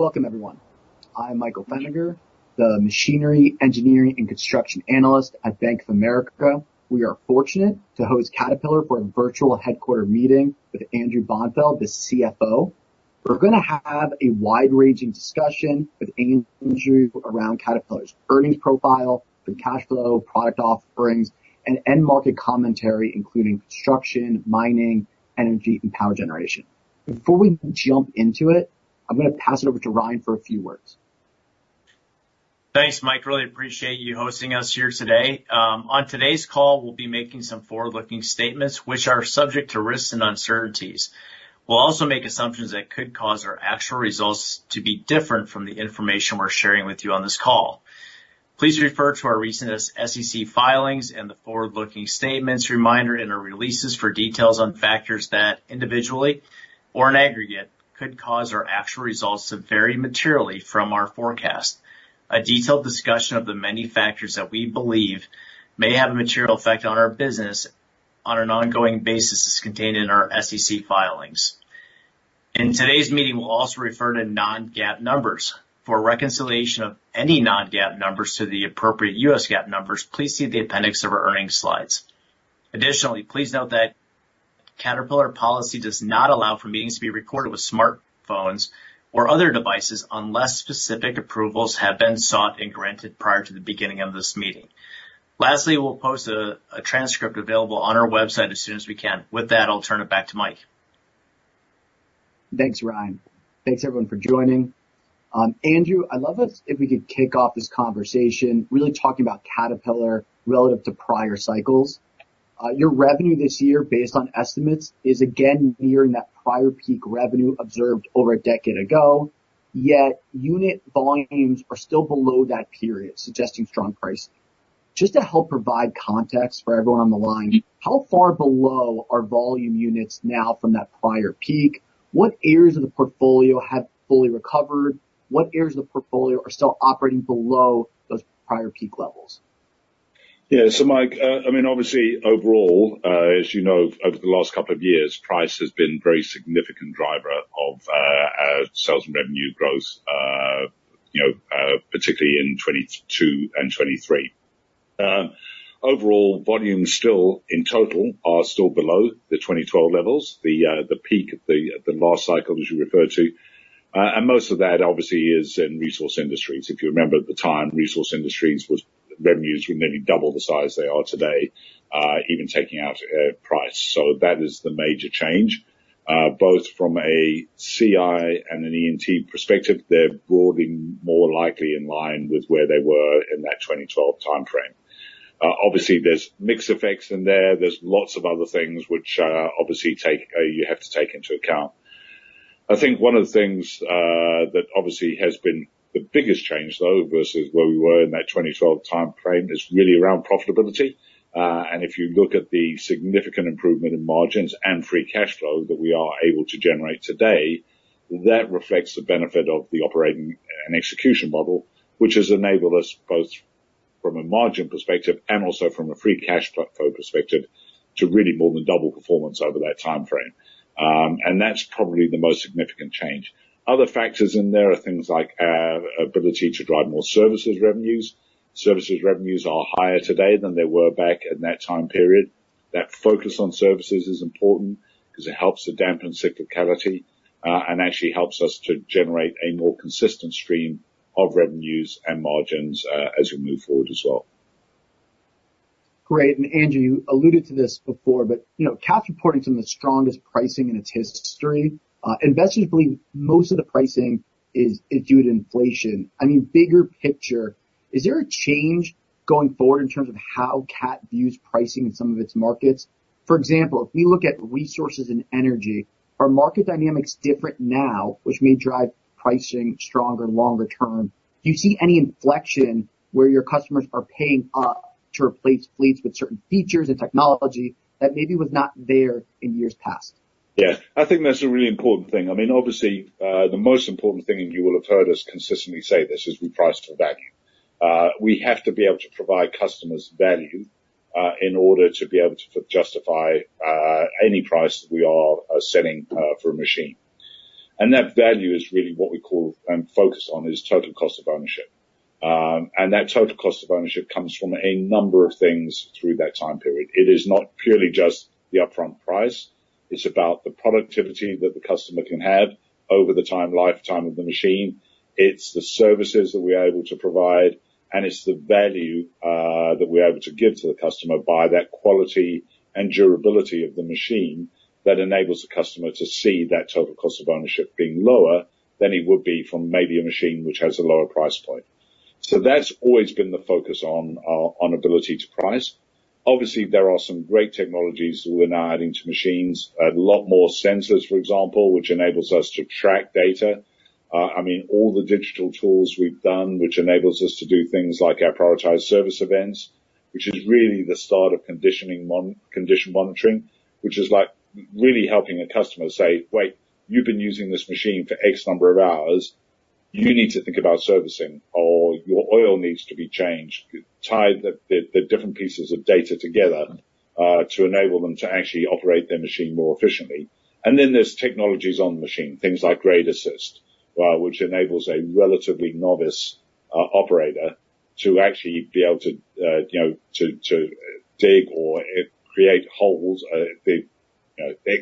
...Welcome, everyone. I'm Michael Feniger, the Machinery, Engineering, and Construction Analyst at Bank of America. We are fortunate to host Caterpillar for a virtual headquarters meeting with Andrew Bonfield, the CFO. We're gonna have a wide-ranging discussion with Andrew around Caterpillar's earnings profile, the cash flow, product offerings, and end market commentary, including construction, mining, energy, and power generation. Before we jump into it, I'm gonna pass it over to Ryan for a few words. Thanks, Mike. Really appreciate you hosting us here today. On today's call, we'll be making some forward-looking statements which are subject to risks and uncertainties. We'll also make assumptions that could cause our actual results to be different from the information we're sharing with you on this call. Please refer to our recent SEC filings and the forward-looking statements reminder in our releases for details on factors that, individually or in aggregate, could cause our actual results to vary materially from our forecast. A detailed discussion of the many factors that we believe may have a material effect on our business on an ongoing basis is contained in our SEC filings. In today's meeting, we'll also refer to non-GAAP numbers. For a reconciliation of any non-GAAP numbers to the appropriate U.S. GAAP numbers, please see the appendix of our earnings slides. Additionally, please note that Caterpillar policy does not allow for meetings to be recorded with smartphones or other devices unless specific approvals have been sought and granted prior to the beginning of this meeting. Lastly, we'll post a transcript available on our website as soon as we can. With that, I'll turn it back to Mike. Thanks, Ryan. Thanks, everyone, for joining. Andrew, I'd love us if we could kick off this conversation really talking about Caterpillar relative to prior cycles. Your revenue this year, based on estimates, is again nearing that prior peak revenue observed over a decade ago, yet unit volumes are still below that period, suggesting strong pricing. Just to help provide context for everyone on the line, how far below are volume units now from that prior peak? What areas of the portfolio have fully recovered? What areas of the portfolio are still operating below those prior peak levels? Yeah, so, Mike, I mean, obviously, overall, as you know, over the last couple of years, price has been a very significant driver of, sales and revenue growth, you know, particularly in 2022 and 2023. Overall, volumes still, in total, are still below the 2012 levels, the peak of the last cycle, as you referred to. And most of that, obviously, is in Resource Industries. If you remember, at the time, Resource Industries was—revenues were nearly double the size they are today, even taking out, price. So that is the major change, both from a CI and an E&T perspective, they're broadly more likely in line with where they were in that 2012 timeframe. Obviously, there's mix effects in there. There's lots of other things which, obviously, you have to take into account. I think one of the things that obviously has been the biggest change, though, versus where we were in that 2012 timeframe, is really around profitability. And if you look at the significant improvement in margins and free cash flow that we are able to generate today, that reflects the benefit of the operating and execution model, which has enabled us, both from a margin perspective and also from a free cash flow perspective, to really more than double performance over that timeframe. And that's probably the most significant change. Other factors in there are things like our ability to drive more services revenues. Services revenues are higher today than they were back in that time period. That focus on services is important because it helps to dampen cyclicality, and actually helps us to generate a more consistent stream of revenues and margins, as we move forward as well. Great. And Andrew, you alluded to this before, but, you know, Cat's reporting some of the strongest pricing in its history. Investors believe most of the pricing is, is due to inflation. I mean, bigger picture, is there a change going forward in terms of how Cat views pricing in some of its markets? For example, if we look at resources and energy, are market dynamics different now, which may drive pricing stronger longer term? Do you see any inflection where your customers are paying up to replace fleets with certain features and technology that maybe was not there in years past? Yeah, I think that's a really important thing. I mean, obviously, the most important thing, and you will have heard us consistently say this, is we price for value. We have to be able to provide customers value, in order to be able to justify, any price that we are selling, for a machine. And that value is really what we call and focus on is total cost of ownership. And that total cost of ownership comes from a number of things through that time period. It is not purely just the upfront price. It's about the productivity that the customer can have over the time, lifetime of the machine. It's the services that we are able to provide, and it's the value that we're able to give to the customer by that quality and durability of the machine that enables the customer to see that total cost of ownership being lower than it would be from maybe a machine which has a lower price point. So that's always been the focus on ability to price. Obviously, there are some great technologies that we're now adding to machines, a lot more sensors, for example, which enables us to track data. I mean, all the digital tools we've done, which enables us to do things like our Prioritized Service Events, which is really the start of condition monitoring, which is, like, really helping a customer say, "Wait, you've been using this machine for X number of hours. You need to think about servicing, or your oil needs to be changed." Tie the different pieces of data together to enable them to actually operate their machine more efficiently. And then there's technologies on the machine, things like Grade Assist, which enables a relatively novice operator to actually be able to, you know, to dig or create holes, big, you know,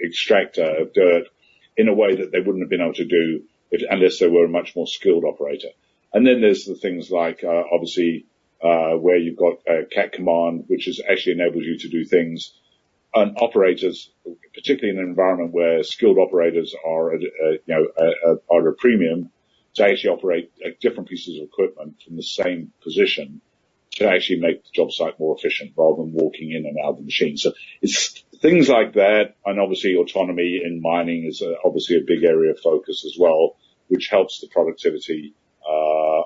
extract dirt in a way that they wouldn't have been able to do if unless they were a much more skilled operator. And then there's the things like, obviously, where you've got, Cat Command, which is actually enables you to do things, and operators, particularly in an environment where skilled operators are at, you know, at, are a premium, to actually operate, different pieces of equipment from the same position, to actually make the job site more efficient rather than walking in and out of the machine. So it's things like that, and obviously, autonomy in mining is, obviously a big area of focus as well, which helps the productivity,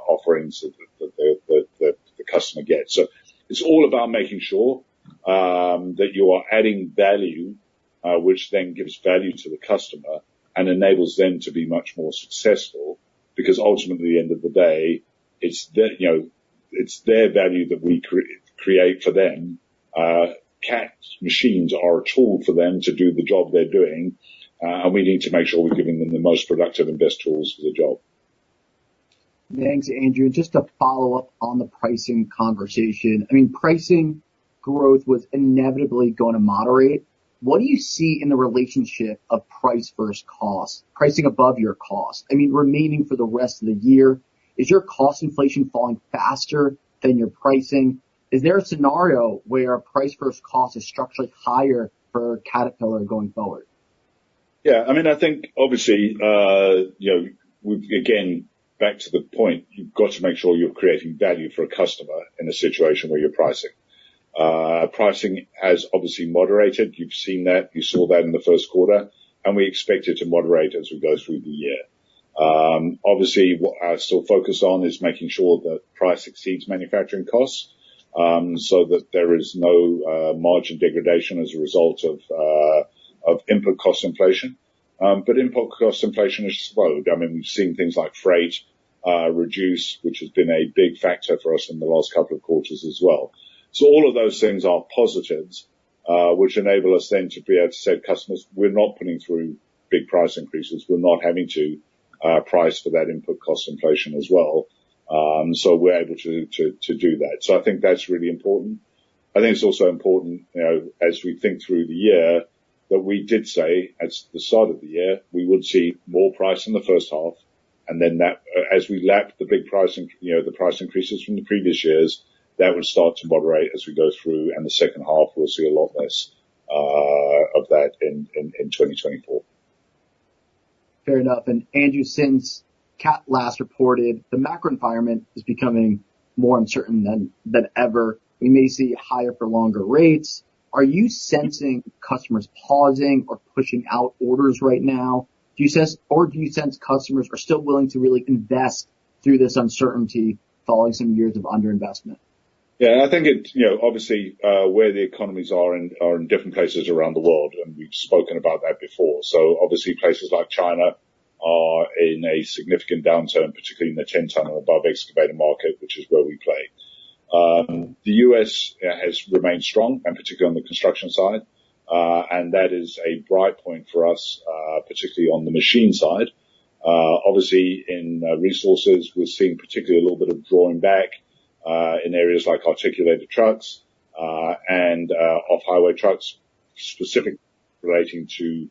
offerings that the, the, that the customer gets. So it's all about making sure, that you are adding value, which then gives value to the customer and enables them to be much more successful. Because ultimately, at the end of the day, it's their, you know, it's their value that we create for them. Cat machines are a tool for them to do the job they're doing, and we need to make sure we're giving them the most productive and best tools for the job. Thanks, Andrew. Just a follow-up on the pricing conversation. I mean, pricing growth was inevitably going to moderate. What do you see in the relationship of price versus cost, pricing above your cost? I mean, remaining for the rest of the year, is your cost inflation falling faster than your pricing? Is there a scenario where price versus cost is structurally higher for Caterpillar going forward? Yeah, I mean, I think obviously, you know, we-- again, back to the point, you've got to make sure you're creating value for a customer in a situation where you're pricing. Pricing has obviously moderated. You've seen that. You saw that in the first quarter, and we expect it to moderate as we go through the year. Obviously, what I'm still focused on is making sure that price exceeds manufacturing costs, so that there is no, margin degradation as a result of, of input cost inflation. But input cost inflation has slowed. I mean, we've seen things like freight, reduce, which has been a big factor for us in the last couple of quarters as well. So all of those things are positives, which enable us then to be able to say to customers, "We're not putting through big price increases. We're not having to price for that input cost inflation as well. So we're able to do that. So I think that's really important. I think it's also important, you know, as we think through the year, that we did say at the start of the year, we would see more price in the first half, and then that as we lap the big pricing, you know, the price increases from the previous years, that would start to moderate as we go through, and the second half, we'll see a lot less of that in 2024. Fair enough. And Andrew, since Cat last reported, the macro environment is becoming more uncertain than ever. We may see higher for longer rates. Are you sensing customers pausing or pushing out orders right now? Do you sense, or do you sense customers are still willing to really invest through this uncertainty following some years of underinvestment? Yeah, and I think it, you know, obviously, where the economies are in different places around the world, and we've spoken about that before. So obviously, places like China are in a significant downturn, particularly in the 10-ton and above excavator market, which is where we play. The U.S. has remained strong, and particularly on the construction side, and that is a bright point for us, particularly on the machine side. Obviously in resources, we're seeing particularly a little bit of drawing back in areas like articulated trucks and off-highway trucks, specifically relating to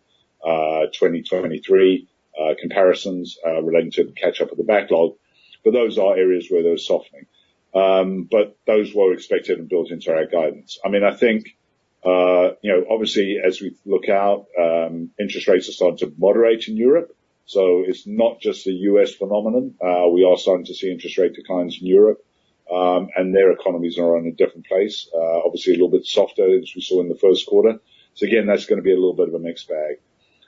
2023 comparisons relating to the catch-up of the backlog. But those are areas where there's softening. But those were expected and built into our guidance. I mean, I think, you know, obviously, as we look out, interest rates are starting to moderate in Europe, so it's not just a U.S. phenomenon. We are starting to see interest rate declines in Europe, and their economies are in a different place, obviously a little bit softer as we saw in the first quarter. So again, that's gonna be a little bit of a mixed bag.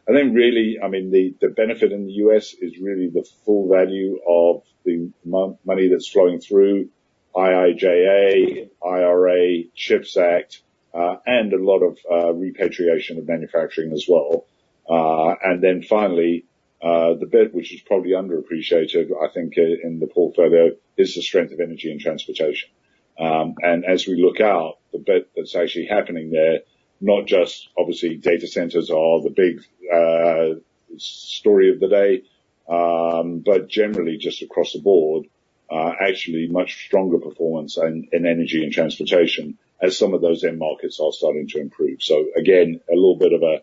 I think really, I mean, the, the benefit in the U.S. is really the full value of the money that's flowing through IIJA, IRA, CHIPS Act, and a lot of repatriation of manufacturing as well. And then finally, the bit which is probably underappreciated, I think, in the portfolio is the strength of Energy & Transportation. And as we look out, the bit that's actually happening there, not just obviously, data centers are the big story of the day, but generally just across the board, actually much stronger performance in Energy & Transportation as some of those end markets are starting to improve. So again, a little bit of a...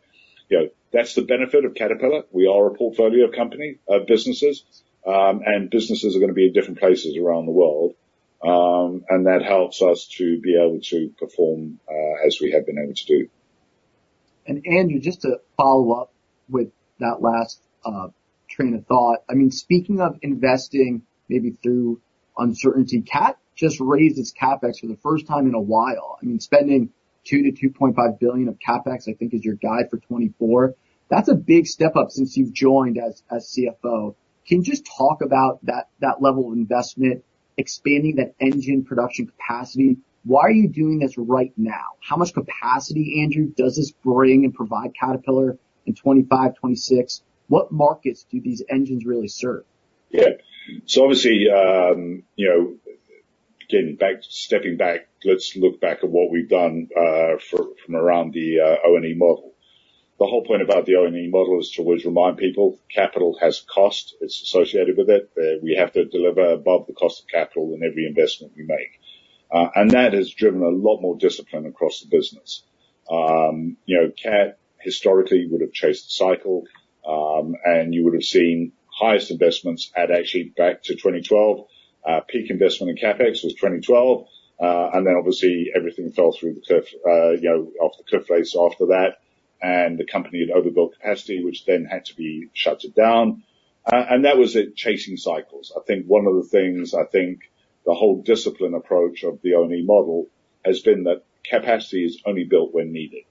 You know, that's the benefit of Caterpillar. We are a portfolio company of businesses, and businesses are gonna be in different places around the world, and that helps us to be able to perform as we have been able to do. Andrew, just to follow up with that last train of thought, I mean, speaking of investing, maybe through uncertainty, Cat just raised its CapEx for the first time in a while. I mean, spending $2 billion-$2.5 billion of CapEx, I think, is your guide for 2024. That's a big step up since you've joined as CFO. Can you just talk about that level of investment, expanding that engine production capacity? Why are you doing this right now? How much capacity, Andrew, does this bring and provide Caterpillar in 2025, 2026? What markets do these engines really serve?... Yeah. So obviously, you know, again, stepping back, let's look back at what we've done, for, from around the O&E model. The whole point about the O&E model is to always remind people capital has cost. It's associated with it. We have to deliver above the cost of capital in every investment we make. And that has driven a lot more discipline across the business. You know, Cat historically would have chased the cycle, and you would have seen highest investments at actually back to 2012. Peak investment in CapEx was 2012, and then obviously everything fell through the cliff, you know, off the cliff race after that, and the company had overbuilt capacity, which then had to be shuttered down. And that was it, chasing cycles. I think one of the things, I think the whole discipline approach of the O&E model has been that capacity is only built when needed.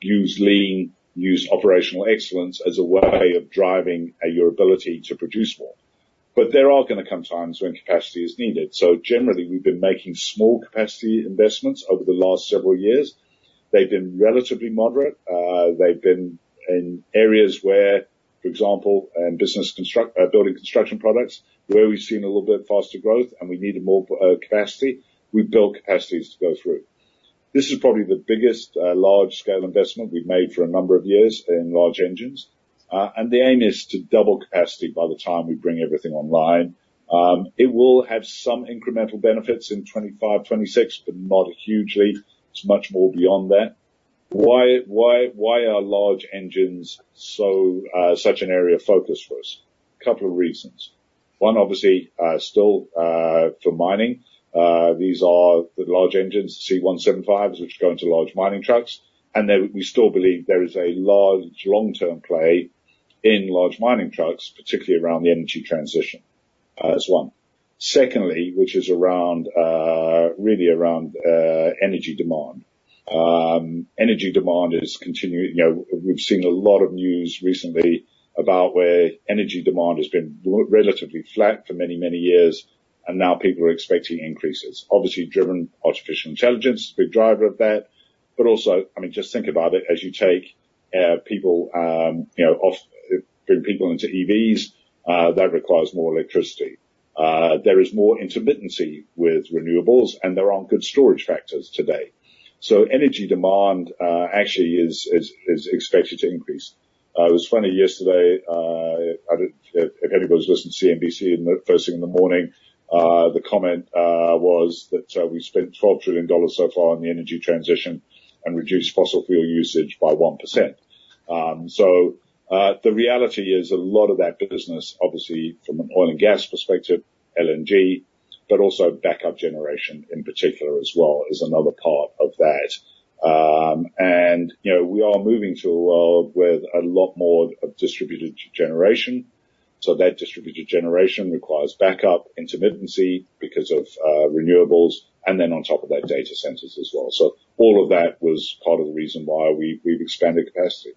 Use lean, use operational excellence as a way of driving your ability to produce more. But there are going to come times when capacity is needed. So generally, we've been making small capacity investments over the last several years. They've been relatively moderate. They've been in areas where, for example, in Building Construction Products, where we've seen a little bit faster growth and we needed more capacity, we built capacities to go through. This is probably the biggest large-scale investment we've made for a number of years in large engines, and the aim is to double capacity by the time we bring everything online. It will have some incremental benefits in 2025, 2026, but not hugely. It's much more beyond that. Why, why, why are large engines so such an area of focus for us? A couple of reasons. One, obviously, still, for mining. These are the large engines, C175s, which go into large mining trucks, and they-- we still believe there is a large long-term play in large mining trucks, particularly around the energy transition, as one. Secondly, which is around, really around, energy demand. Energy demand is continuing-- you know, we've seen a lot of news recently about where energy demand has been relatively flat for many, many years, and now people are expecting increases, obviously driven artificial intelligence, big driver of that. But also, I mean, just think about it, as you take, people, you know, off-- bring people into EVs, that requires more electricity. There is more intermittency with renewables, and there aren't good storage factors today. So energy demand, actually is expected to increase. It was funny yesterday, if anybody was listening to CNBC in the first thing in the morning, the comment was that we spent $12 trillion so far on the energy transition and reduced fossil fuel usage by 1%. So the reality is a lot of that business, obviously, from an oil and gas perspective, LNG, but also backup generation in particular as well, is another part of that. And, you know, we are moving to a world with a lot more of distributed generation, so that distributed generation requires backup, intermittency because of renewables, and then on top of that, data centers as well. So all of that was part of the reason why we've expanded capacity.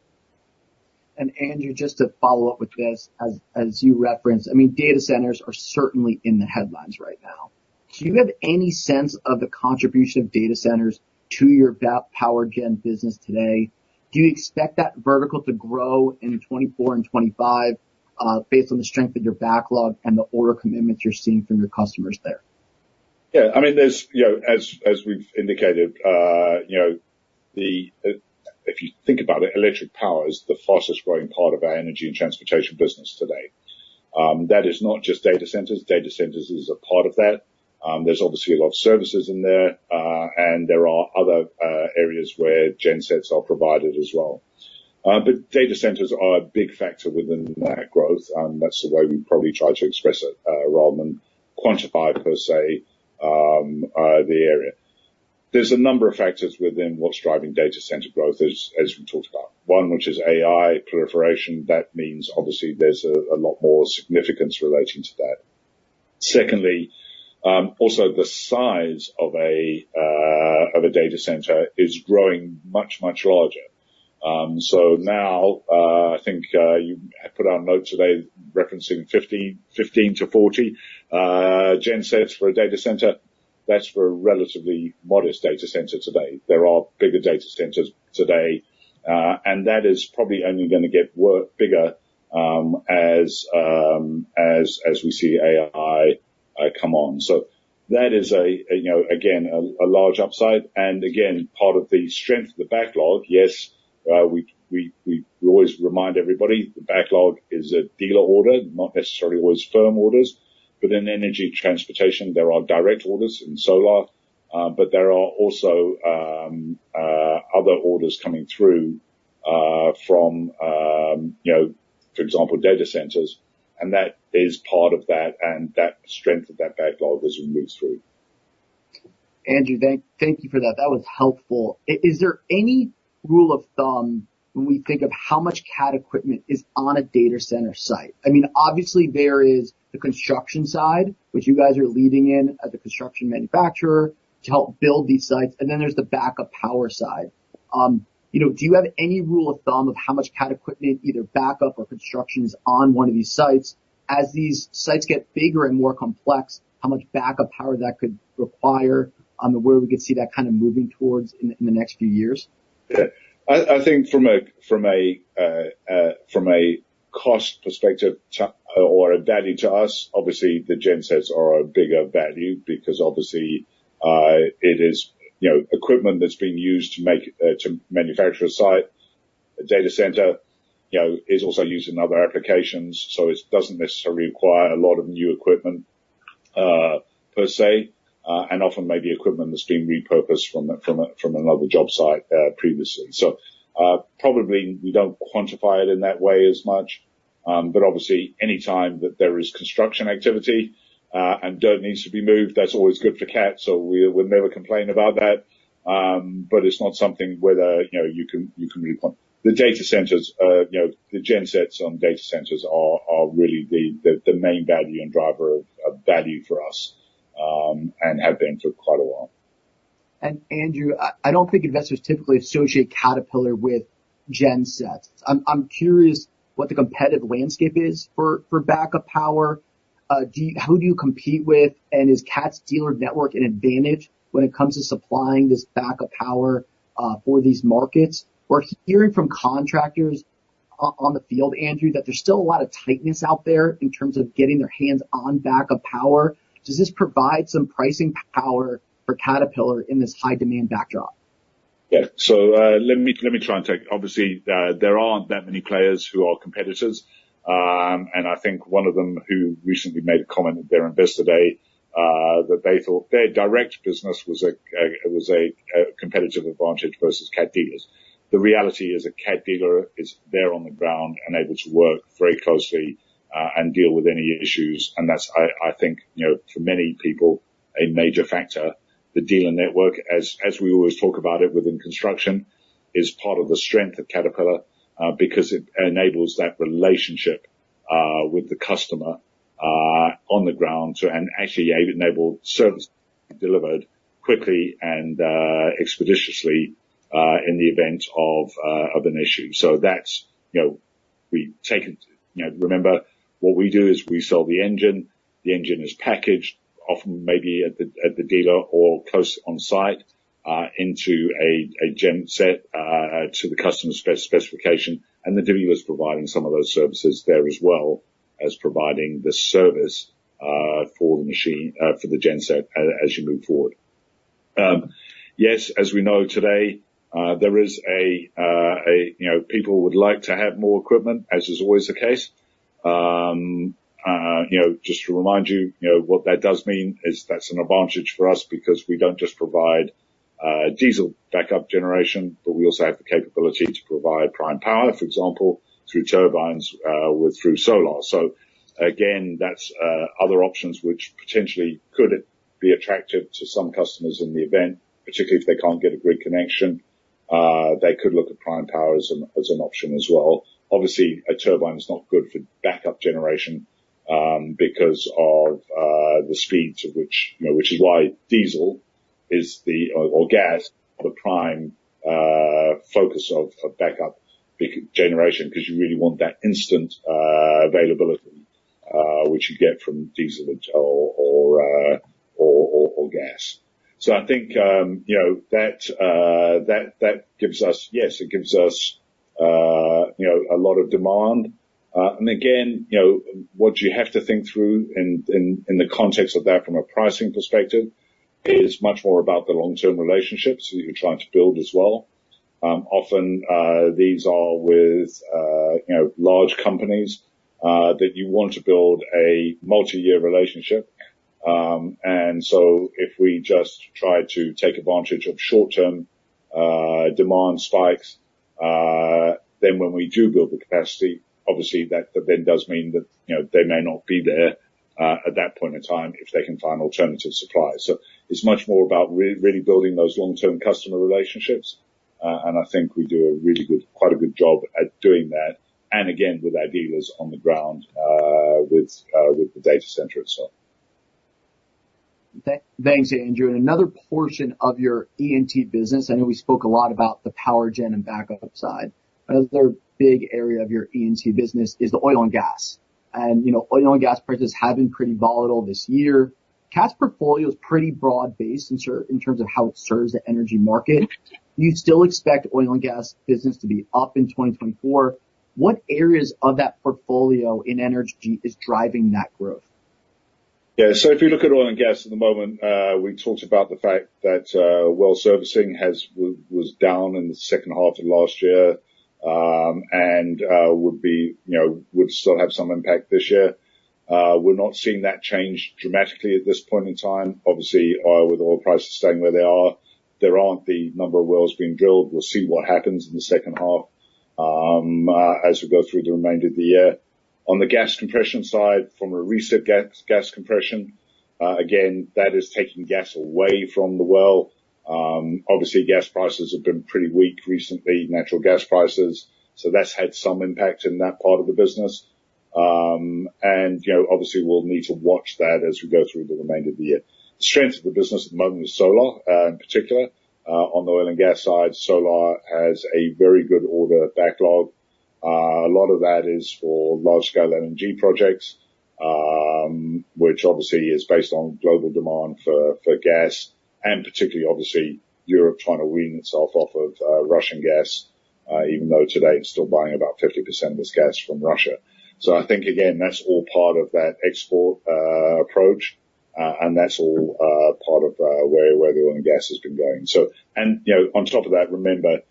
Andrew, just to follow up with this, as you referenced, I mean, data centers are certainly in the headlines right now. Do you have any sense of the contribution of data centers to your that power gen business today? Do you expect that vertical to grow in 2024 and 2025, based on the strength of your backlog and the order commitments you're seeing from your customers there? Yeah, I mean, there's, you know, as, as we've indicated, you know, If you think about it, electric power is the fastest growing part of our Energy & Transportation business today. That is not just data centers. Data centers is a part of that. There's obviously a lot of services in there, and there are other areas where gen sets are provided as well. But data centers are a big factor within that growth, and that's the way we probably try to express it, rather than quantify, per se, the area. There's a number of factors within what's driving data center growth, as, as we talked about. One, which is AI proliferation. That means obviously there's a, a lot more significance relating to that. Secondly, also the size of a data center is growing much, much larger. So now, I think, you had put out a note today referencing 15, 15-40 gen sets for a data center. That's for a relatively modest data center today. There are bigger data centers today, and that is probably only going to get bigger, as we see AI come on. So that is, you know, again, a large upside, and again, part of the strength of the backlog. Yes, we always remind everybody, the backlog is a dealer order, not necessarily always firm orders, but in energy transportation, there are direct orders in Solar, but there are also other orders coming through from, you know, for example, data centers, and that is part of that and that strength of that backlog as we move through. Andrew, thank, thank you for that. That was helpful. Is there any rule of thumb when we think of how much Cat equipment is on a data center site? I mean, obviously, there is the construction side, which you guys are leading in as a construction manufacturer, to help build these sites, and then there's the backup power side. You know, do you have any rule of thumb of how much Cat equipment, either backup or construction, is on one of these sites? As these sites get bigger and more complex, how much backup power that could require, where we could see that kind of moving towards in, in the next few years?... Yeah, I think from a cost perspective to, or a value to us, obviously, the gensets are a bigger value, because obviously, it is, you know, equipment that's being used to make, to manufacture a site. A data center, you know, is also used in other applications, so it doesn't necessarily require a lot of new equipment, per se, and often may be equipment that's being repurposed from another job site, previously. So, probably we don't quantify it in that way as much, but obviously, any time that there is construction activity, and dirt needs to be moved, that's always good for Cat, so we never complain about that. But it's not something whether, you know, you can really point. The data centers, you know, the gensets on data centers are really the main value and driver of value for us, and have been for quite a while. And Andrew, I don't think investors typically associate Caterpillar with gensets. I'm curious what the competitive landscape is for backup power. Do you—who do you compete with? And is Cat's dealer network an advantage when it comes to supplying this backup power for these markets? We're hearing from contractors on the field, Andrew, that there's still a lot of tightness out there in terms of getting their hands on backup power. Does this provide some pricing power for Caterpillar in this high-demand backdrop? Yeah. So, let me try and take... Obviously, there aren't that many players who are competitors, and I think one of them who recently made a comment at their Investor Day, that they thought their direct business was a competitive advantage versus Cat dealers. The reality is a Cat dealer is there on the ground and able to work very closely and deal with any issues, and that's, I think, you know, for many people, a major factor. The dealer network, as we always talk about it within construction, is part of the strength of Caterpillar, because it enables that relationship with the customer on the ground, so, and actually, it enables service delivered quickly and expeditiously in the event of an issue. So that's, you know, we take it... You know, remember, what we do is we sell the engine, the engine is packaged, often maybe at the dealer or close on-site, into a genset, to the customer's specification, and the dealer is providing some of those services there, as well as providing the service for the machine for the genset as you move forward. Yes, as we know today, there is, you know, people would like to have more equipment, as is always the case. You know, just to remind you, you know, what that does mean is that's an advantage for us because we don't just provide diesel backup generation, but we also have the capability to provide prime power, for example, through turbines with Solar. So again, that's other options which potentially could be attractive to some customers in the event, particularly if they can't get a grid connection, they could look at prime power as an option as well. Obviously, a turbine is not good for backup generation, because of the speeds at which, you know... Which is why diesel is the, or gas, the prime focus of backup generation, because you really want that instant availability, which you get from diesel or gas. So I think, you know, that gives us—yes, it gives us, you know, a lot of demand. And again, you know, what you have to think through in the context of that from a pricing perspective is much more about the long-term relationships that you're trying to build as well. Often, these are with, you know, large companies that you want to build a multi-year relationship. And so if we just try to take advantage of short-term demand spikes, then when we do build the capacity, obviously that then does mean that, you know, they may not be there at that point in time if they can find alternative suppliers. So it's much more about really building those long-term customer relationships, and I think we do a really good, quite a good job at doing that, and again, with our dealers on the ground, with the data center and so on. Thanks, Andrew. And another portion of your E&T business, I know we spoke a lot about the power gen and backup side. Another big area of your E&T business is the oil and gas, and, you know, oil and gas prices have been pretty volatile this year. Cat's portfolio is pretty broad-based in terms of how it serves the energy market. Do you still expect oil and gas business to be up in 2024? What areas of that portfolio in energy is driving that growth? Yeah. So if you look at oil and gas at the moment, we talked about the fact that well servicing was down in the second half of last year, and would be, you know, would still have some impact this year. We're not seeing that change dramatically at this point in time. Obviously, with oil prices staying where they are, there aren't the number of wells being drilled. We'll see what happens in the second half, as we go through the remainder of the year. On the gas compression side, from a reset gas, gas compression, again, that is taking gas away from the well. Obviously, gas prices have been pretty weak recently, natural gas prices, so that's had some impact in that part of the business. And, you know, obviously, we'll need to watch that as we go through the remainder of the year. The strength of the business at the moment is Solar, in particular. On the oil and gas side, Solar has a very good order backlog. A lot of that is for large-scale LNG projects, which obviously is based on global demand for gas, and particularly, obviously, Europe trying to wean itself off of Russian gas, even though today it's still buying about 50% of its gas from Russia. So I think, again, that's all part of that export approach, and that's all part of where the oil and gas has been going. So, and, you know, on top of that, remember,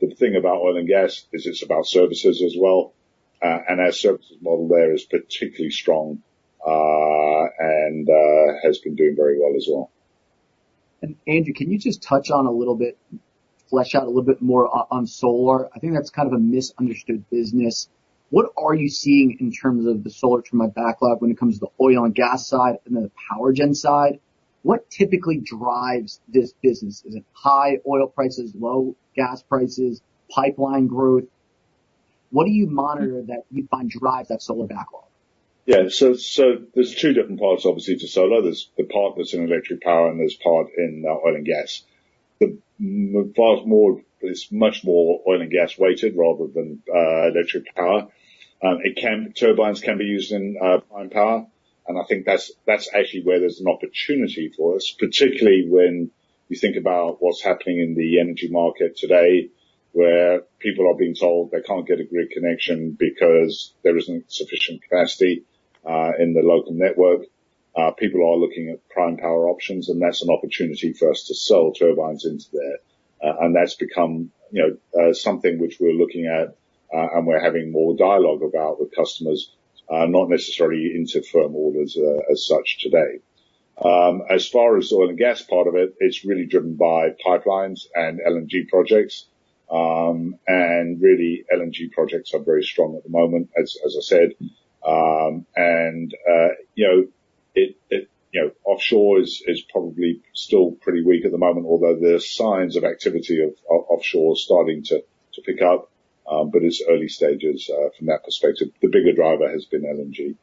the thing about oil and gas is it's about services as well. And our services model there is particularly strong and has been doing very well as well. Andrew, can you just touch on a little bit, flesh out a little bit more on Solar? I think that's kind of a misunderstood business. What are you seeing in terms of the Solar from a backlog when it comes to the oil and gas side and then the power gen side? What typically drives this business? Is it high oil prices, low gas prices, pipeline growth? What do you monitor that you find drives that Solar backlog? Yeah. So there's two different parts, obviously, to Solar. There's the part that's in electric power and there's part in oil and gas. It's much more oil and gas weighted rather than electric power. Turbines can be used in prime power, and I think that's actually where there's an opportunity for us, particularly when you think about what's happening in the energy market today, where people are being told they can't get a grid connection because there isn't sufficient capacity in the local network. People are looking at prime power options, and that's an opportunity for us to sell turbines into there. And that's become, you know, something which we're looking at, and we're having more dialogue about with customers, not necessarily into firm orders as such today. As far as oil and gas part of it, it's really driven by pipelines and LNG projects. And really, LNG projects are very strong at the moment, as I said. And you know, offshore is probably still pretty weak at the moment, although there are signs of activity of offshore starting to pick up, but it's early stages from that perspective. The bigger driver has been LNG.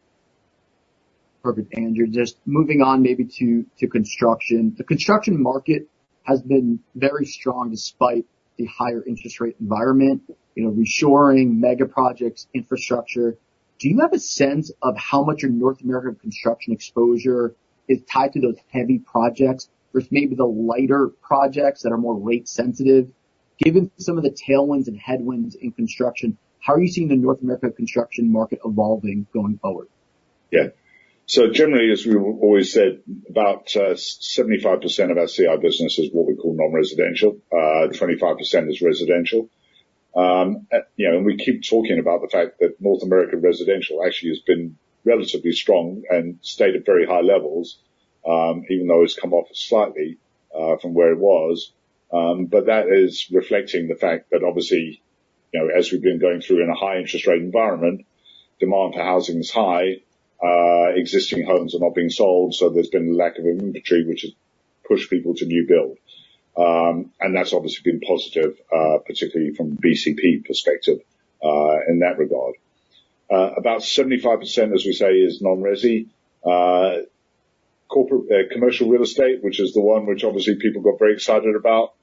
Perfect, Andrew. Just moving on maybe to construction. The construction market has been very strong despite the higher interest rate environment, you know, reshoring, mega projects, infrastructure. Do you have a sense of how much your North American construction exposure is tied to those heavy projects versus maybe the lighter projects that are more rate sensitive? Given some of the tailwinds and headwinds in construction, how are you seeing the North American construction market evolving going forward? Yeah. So generally, as we've always said, about 75% of our CI business is what we call non-residential, 25% is residential. You know, and we keep talking about the fact that North American residential actually has been relatively strong and stayed at very high levels, even though it's come off slightly from where it was. But that is reflecting the fact that obviously, you know, as we've been going through in a high interest rate environment, demand for housing is high, existing homes are not being sold, so there's been a lack of inventory, which has pushed people to new build. And that's obviously been positive, particularly from a BCP perspective, in that regard. About 75%, as we say, is non-resi. Corporate commercial real estate, which is the one which obviously people got very excited about,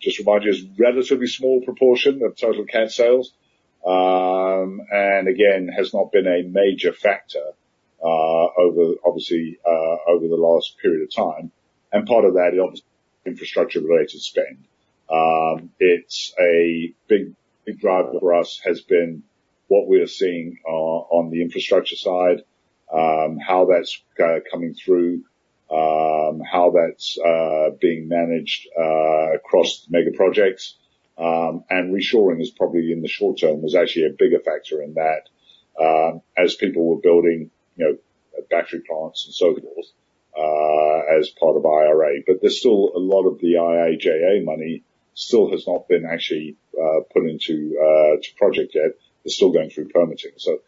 just to remind you, is a relatively small proportion of total cat sales, and again, has not been a major factor over, obviously, over the last period of time, and part of that is obviously infrastructure-related spend. It's a big, big driver for us, has been what we are seeing on the infrastructure side, how that's coming through, how that's being managed across mega projects. And reshoring is probably, in the short term, was actually a bigger factor in that, as people were building, you know, battery plants and so forth as part of IRA. But there's still a lot of the IIJA money still has not been actually put into to project yet. They're still going through permitting. So a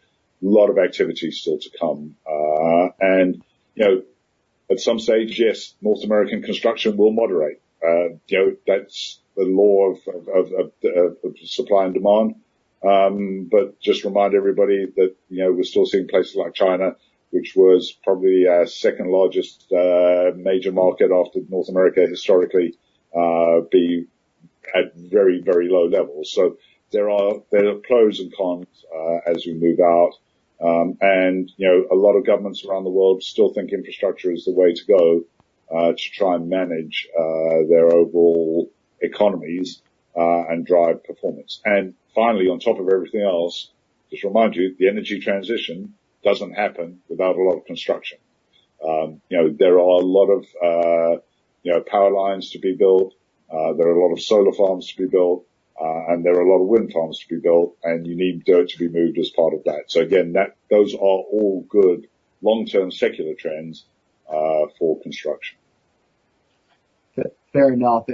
lot of activity still to come. And, you know, at some stage, yes, North American construction will moderate. You know, that's the law of supply and demand. But just remind everybody that, you know, we're still seeing places like China, which was probably our second largest major market after North America, historically, be at very, very low levels. So there are pros and cons as we move out. And, you know, a lot of governments around the world still think infrastructure is the way to go to try and manage their overall economies and drive performance. And finally, on top of everything else, just remind you, the energy transition doesn't happen without a lot of construction. You know, there are a lot of power lines to be built. There are a lot of Solar farms to be built, and there are a lot of wind farms to be built, and you need dirt to be moved as part of that. So again, those are all good long-term secular trends for construction. Fair enough.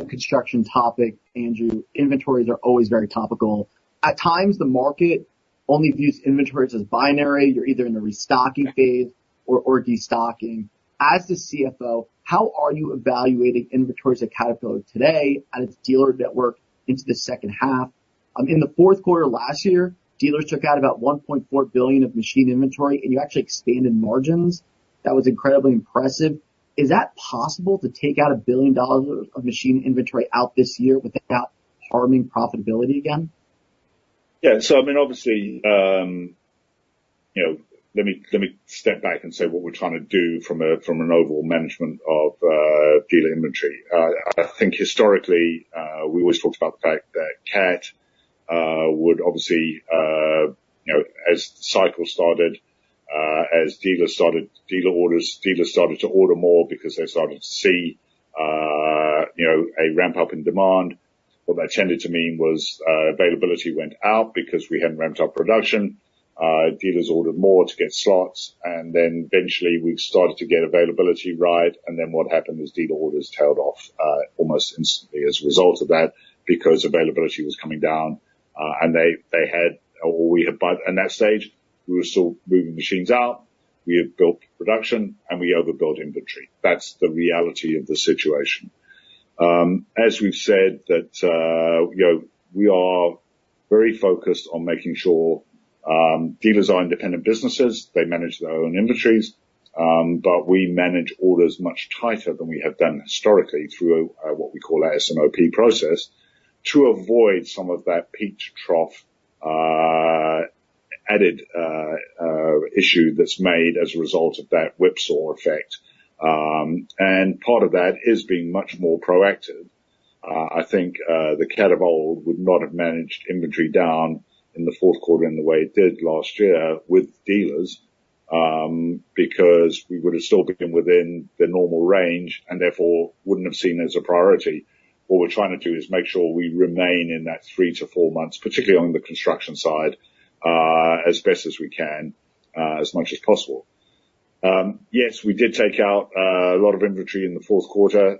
The construction topic, Andrew, inventories are always very topical. At times, the market only views inventories as binary. You're either in the restocking phase or destocking. As the CFO, how are you evaluating inventories at Caterpillar today and its dealer network into the second half? In the fourth quarter last year, dealers took out about $1.4 billion of machine inventory, and you actually expanded margins. That was incredibly impressive. Is that possible to take out $1 billion of machine inventory this year without harming profitability again? Yeah. So I mean, obviously, you know, let me, let me step back and say what we're trying to do from a, from an overall management of, dealer inventory. I think historically, we always talked about the fact that Cat, would obviously, you know, as the cycle started, as dealers started, dealer orders—dealers started to order more because they started to see, you know, a ramp up in demand. What that tended to mean was, availability went out because we hadn't ramped up production. Dealers ordered more to get slots, and then eventually we started to get availability right. And then what happened was dealer orders tailed off, almost instantly as a result of that, because availability was coming down, and they, they had or we had—but in that stage, we were still moving machines out. We had built production, and we overbuilt inventory. That's the reality of the situation. As we've said, that, you know, we are very focused on making sure dealers are independent businesses. They manage their own inventories, but we manage orders much tighter than we have done historically through what we call our S&OP process, to avoid some of that peak to trough added issue that's made as a result of that whipsaw effect. And part of that is being much more proactive. I think the Cat of old would not have managed inventory down in the fourth quarter in the way it did last year with dealers, because we would have still been within the normal range and therefore wouldn't have seen it as a priority. What we're trying to do is make sure we remain in that 3-4 months, particularly on the construction side, as best as we can, as much as possible. Yes, we did take out a lot of inventory in the fourth quarter.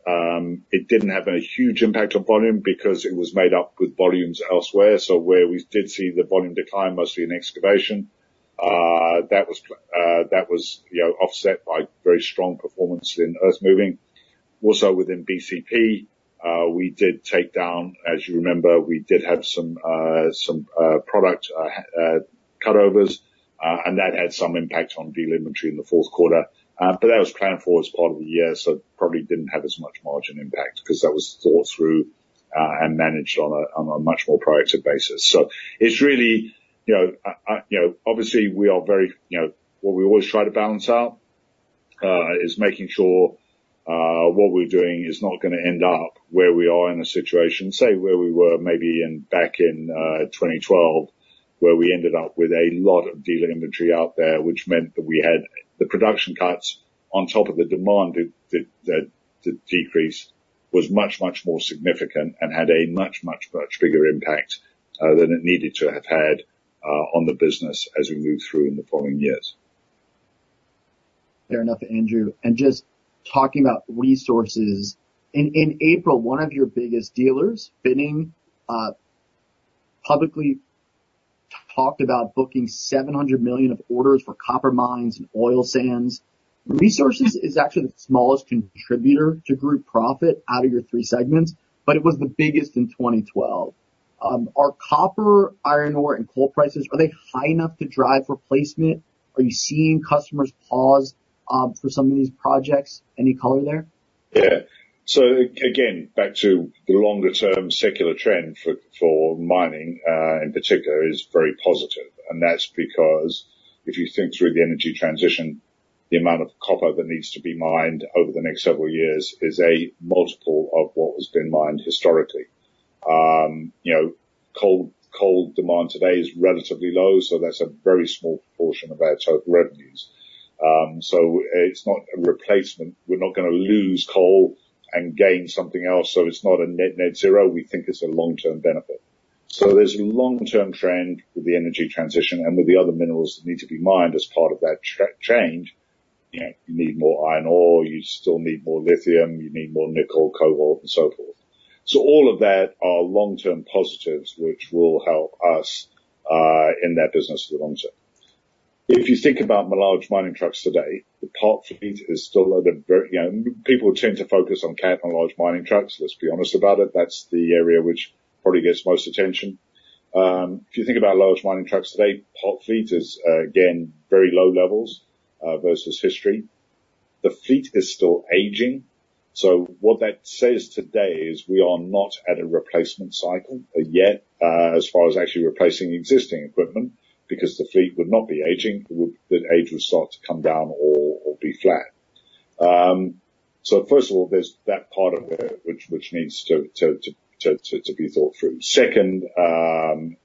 It didn't have a huge impact on volume because it was made up with volumes elsewhere. So where we did see the volume decline, mostly in excavation, that was, you know, offset by very strong performance in earthmoving. Also within BCP, we did take down, as you remember, we did have some product cutovers, and that had some impact on dealer inventory in the fourth quarter. But that was planned for as part of the year, so it probably didn't have as much margin impact because that was thought through and managed on a much more proactive basis. So it's really, you know, obviously, we are very, you know, what we always try to balance out is making sure what we're doing is not gonna end up where we are in a situation, say, where we were maybe in, back in, 2012, where we ended up with a lot of dealer inventory out there, which meant that we had the production cuts on top of the demand that decreased, was much, much more significant and had a much, much, much bigger impact than it needed to have had on the business as we moved through in the following years. Fair enough, Andrew. And just talking about resources, in April, one of your biggest dealers, Finning, publicly talked about booking $700 million of orders for copper mines and oil sands. Resources is actually the smallest contributor to group profit out of your three segments, but it was the biggest in 2012. Are copper, iron ore, and coal prices high enough to drive replacement? Are you seeing customers pause for some of these projects? Any color there? Yeah. So again, back to the longer-term secular trend for mining, in particular, is very positive. And that's because if you think through the energy transition, the amount of copper that needs to be mined over the next several years is a multiple of what has been mined historically. You know, coal demand today is relatively low, so that's a very small portion of our total revenues. So it's not a replacement. We're not gonna lose coal and gain something else, so it's not a net zero. We think it's a long-term benefit. So there's a long-term trend with the energy transition and with the other minerals that need to be mined as part of that change. You know, you need more iron ore, you still need more lithium, you need more nickel, cobalt, and so forth. So all of that are long-term positives, which will help us in that business for the long term. If you think about large mining trucks today, the part fleet is still at a very... You know, people tend to focus on Cat and large mining trucks. Let's be honest about it. That's the area which probably gets most attention. If you think about large mining trucks today, parked fleet is, again, very low levels versus history. The fleet is still aging. So what that says today is we are not at a replacement cycle yet, as far as actually replacing existing equipment, because the fleet would not be aging, the age would start to come down or be flat. So first of all, there's that part of it, which needs to be thought through. Second,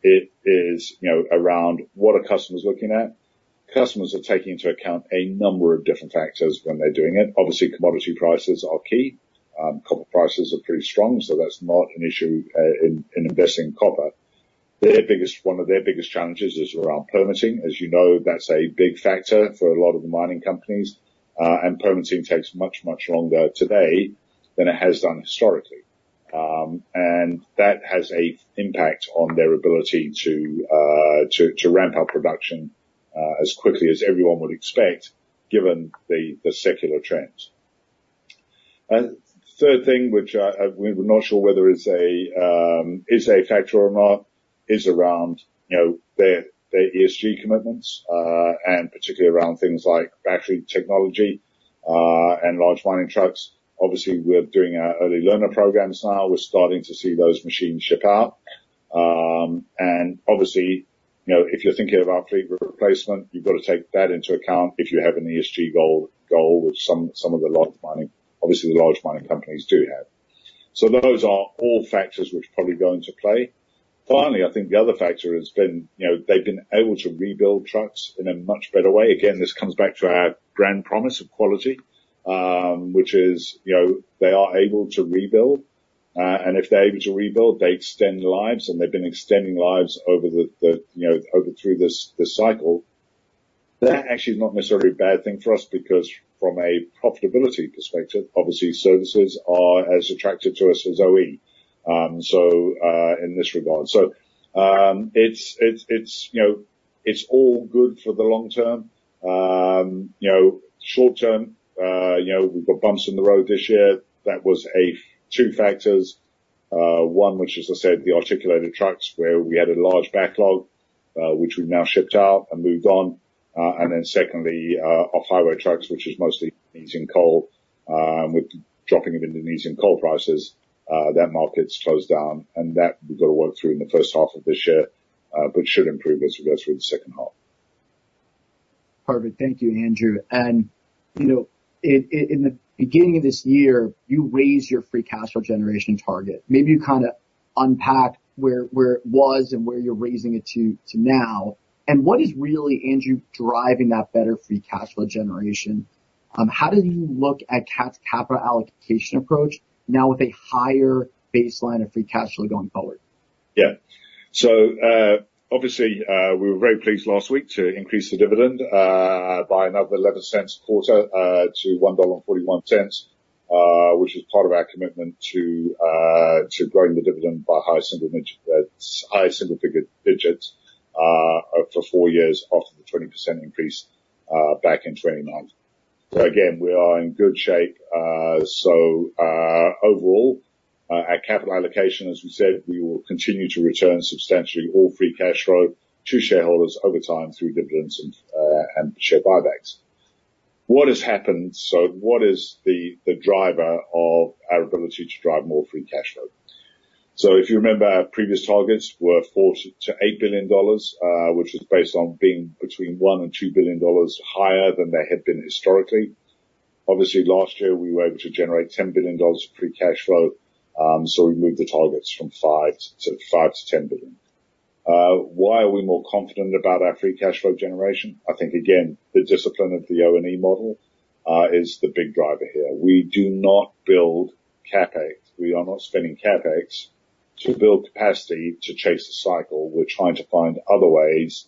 it is, you know, around what are customers looking at? Customers are taking into account a number of different factors when they're doing it. Obviously, commodity prices are key. Copper prices are pretty strong, so that's not an issue in investing in copper. One of their biggest challenges is around permitting. As you know, that's a big factor for a lot of the mining companies, and permitting takes much, much longer today than it has done historically. And that has an impact on their ability to ramp up production as quickly as everyone would expect, given the secular trends. Third thing, which we're not sure whether it's a factor or not, is around, you know, their ESG commitments, and particularly around things like battery technology, and large mining trucks. Obviously, we're doing our early learner programs now. We're starting to see those machines ship out. And obviously, you know, if you're thinking about fleet replacement, you've got to take that into account if you have an ESG goal with some of the large mining companies. Obviously, the large mining companies do have. So those are all factors which probably go into play. Finally, I think the other factor has been, you know, they've been able to rebuild trucks in a much better way. Again, this comes back to our brand promise of quality, which is, you know, they are able to rebuild, and if they're able to rebuild, they extend lives, and they've been extending lives over the, you know, over through this cycle. That actually is not necessarily a bad thing for us, because from a profitability perspective, obviously, services are as attractive to us as OE, so, in this regard. So, it's, you know, it's all good for the long term. You know, short term, we've got bumps in the road this year. That was a two factors, one, which, as I said, the articulated trucks, where we had a large backlog, which we've now shipped out and moved on. And then secondly, off-highway trucks, which is mostly Indonesian coal. With the dropping of Indonesian coal prices, that market's closed down, and that we've got to work through in the first half of this year, but should improve as we go through the second half. Perfect. Thank you, Andrew. You know, in the beginning of this year, you raised your free cash flow generation target. Maybe you kind of unpack where it was and where you're raising it to now, and what is really, Andrew, driving that better free cash flow generation? How do you look at Cat's capital allocation approach now with a higher baseline of free cash flow going forward? Yeah. So, obviously, we were very pleased last week to increase the dividend by another $0.11 a quarter to $1.41, which is part of our commitment to growing the dividend by high single digits for four years after the 20% increase back in 2019. So again, we are in good shape. So, overall, our capital allocation, as we said, we will continue to return substantially all free cash flow to shareholders over time through dividends and and share buybacks. What has happened? So what is the, the driver of our ability to drive more free cash flow? So if you remember, our previous targets were $4-$8 billion, which is based on being between $1-$2 billion higher than they had been historically. Obviously, last year, we were able to generate $10 billion of free cash flow, so we moved the targets from $5 to, $5 to $10 billion. Why are we more confident about our free cash flow generation? I think, again, the discipline of the O&E model is the big driver here. We do not build CapEx. We are not spending CapEx to build capacity to chase the cycle. We're trying to find other ways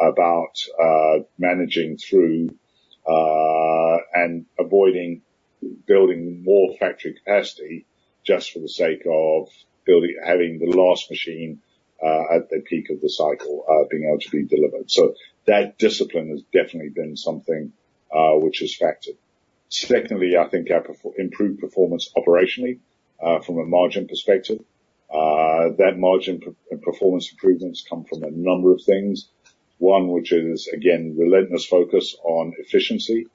about managing through and avoiding building more factory capacity just for the sake of building—having the last machine at the peak of the cycle being able to be delivered. So that discipline has definitely been something which has factored. Secondly, I think our improved performance operationally from a margin perspective, that margin performance improvements come from a number of things. One, which is, again, relentless focus on efficiency,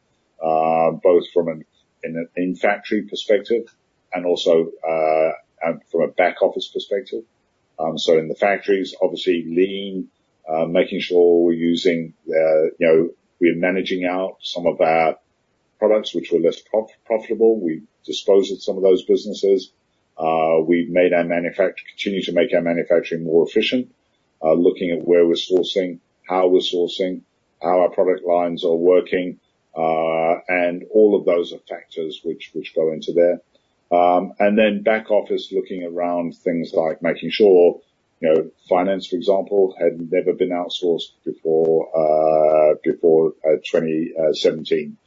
both from a factory perspective and also and from a back office perspective. So in the factories, obviously lean, making sure we're using, you know, we're managing out some of our products which were less profitable. We disposed some of those businesses. We've made our manufacturing continue to make our manufacturing more efficient, looking at where we're sourcing, how we're sourcing, how our product lines are working, and all of those are factors which go into there. And then back office, looking around things like making sure, you know, finance, for example, had never been outsourced before, before 2017.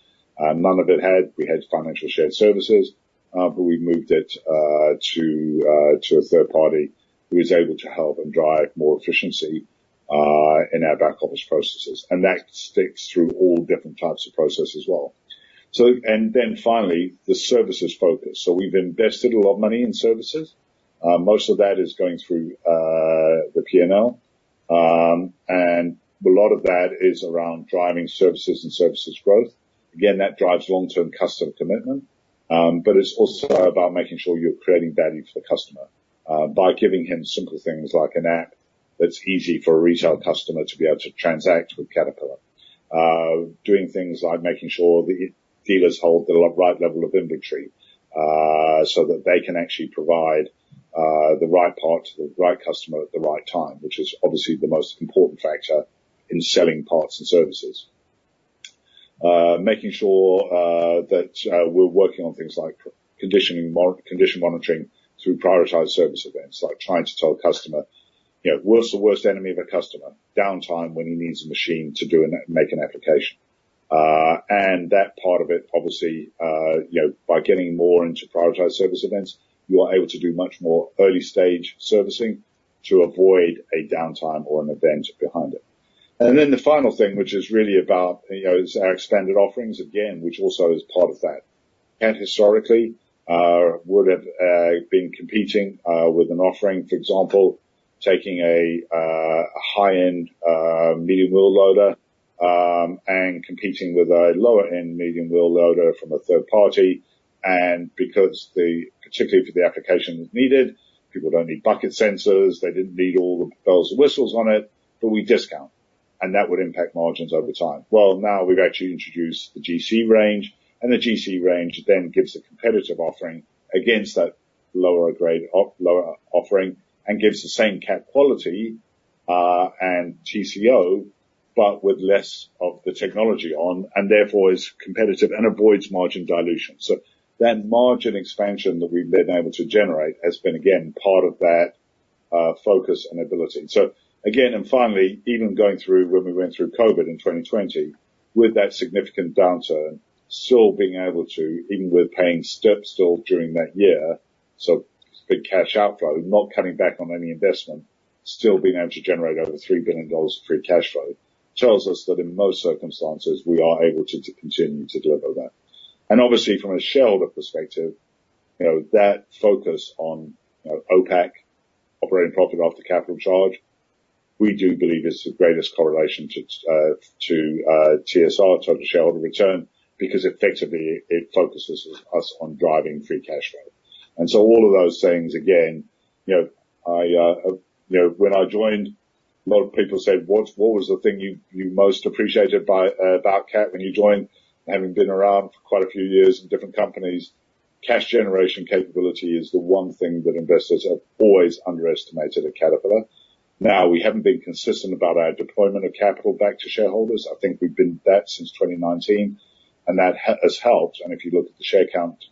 None of it had. We had financial shared services, but we moved it, to a third party who is able to help and drive more efficiency, in our back office processes, and that sticks through all different types of processes as well. So and then finally, the services focus. So we've invested a lot of money in services. Most of that is going through the P&L, and a lot of that is around driving services and services growth. Again, that drives long-term customer commitment, but it's also about making sure you're creating value for the customer by giving him simple things like an app that's easy for a retail customer to be able to transact with Caterpillar. Doing things like making sure the dealers hold the right level of inventory, so that they can actually provide the right part to the right customer at the right time, which is obviously the most important factor in selling parts and services. Making sure that we're working on things like condition monitoring through Prioritized Service Events, like trying to tell a customer, you know, what's the worst enemy of a customer? Downtime, when he needs a machine to make an application. And that part of it, obviously, you know, by getting more into Prioritized Service Events, you are able to do much more early-stage servicing to avoid a downtime or an event behind it... And then the final thing, which is really about, you know, is our expanded offerings, again, which also is part of that. And historically, would have been competing with an offering, for example, taking a high-end medium wheel loader, and competing with a lower-end medium wheel loader from a third party. And because the, particularly for the application needed, people don't need bucket sensors, they didn't need all the bells and whistles on it, but we discount, and that would impact margins over time. Well, now we've actually introduced the GC range, and the GC range then gives a competitive offering against that lower offering and gives the same Cat quality, and TCO, but with less of the technology on, and therefore is competitive and avoids margin dilution. So that margin expansion that we've been able to generate has been, again, part of that focus and ability. So again, and finally, even going through when we went through COVID in 2020, with that significant downturn, still being able to, even with paying debt still during that year, so big cash outflow, not cutting back on any investment, still being able to generate over $3 billion of free cash flow, tells us that in most circumstances we are able to continue to deliver that. Obviously, from a shareholder perspective, you know, that focus on, you know, OPACC, operating profit after capital charge, we do believe it's the greatest correlation to to TSR, total shareholder return, because effectively it focuses us on driving free cash flow. So all of those things, again, you know, I, you know, when I joined, a lot of people said, "What was the thing you most appreciated about Cat when you joined?" Having been around for quite a few years in different companies, cash generation capability is the one thing that investors have always underestimated at Caterpillar. Now, we haven't been consistent about our deployment of capital back to shareholders. I think we've been that since 2019, and that has helped. If you look at the share count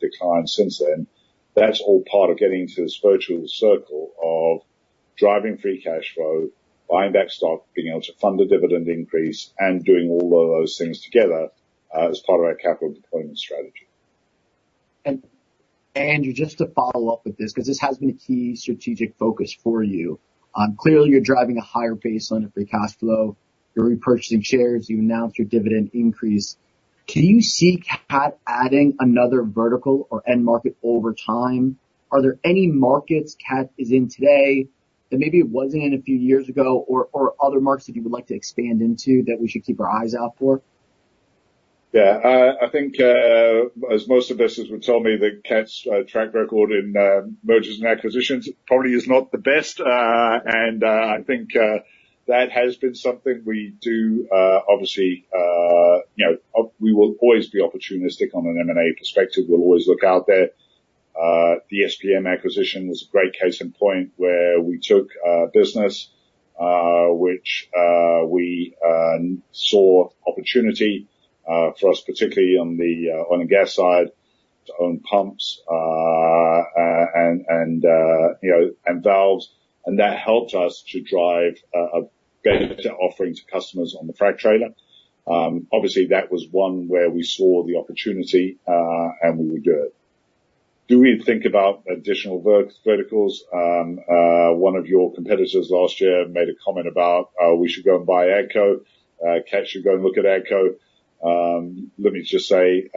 decline since then, that's all part of getting to this virtuous circle of driving free cash flow, buying back stock, being able to fund a dividend increase, and doing all of those things together as part of our capital deployment strategy. Andrew, just to follow up with this, 'cause this has been a key strategic focus for you. Clearly, you're driving a higher baseline of free cash flow, you're repurchasing shares, you've announced your dividend increase. Can you see Cat adding another vertical or end market over time? Are there any markets Cat is in today that maybe it wasn't in a few years ago or, or other markets that you would like to expand into that we should keep our eyes out for? Yeah, I think, as most investors would tell me, that Cat's track record in mergers and acquisitions probably is not the best. And, I think, that has been something we do, obviously, you know, we will always be opportunistic on an M&A perspective. We'll always look out there. The SPM acquisition was a great case in point, where we took a business, which we saw opportunity, for us, particularly on the gas side, to own pumps, and, and you know, and valves, and that helped us to drive a better offering to customers on the frac trailer. Obviously, that was one where we saw the opportunity, and we would do it. Do we think about additional verticals? One of your competitors last year made a comment about we should go and buy AGCO. Cat should go and look at AGCO. Let me just say,